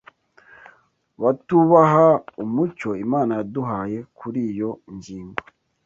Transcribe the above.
batubaha umucyo Imana yaduhaye kuri yo ngingo